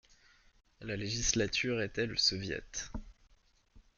La législature était le Soviet.